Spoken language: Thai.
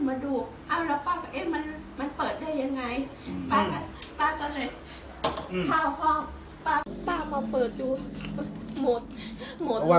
สวัสดีทุกคน